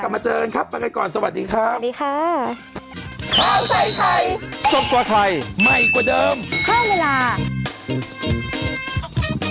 กลับมาเจอกันครับไปกันก่อนสวัสดีครับ